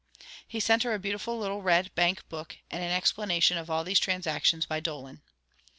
He sent her a beautiful little red bank book and an explanation of all these transactions by Dolan.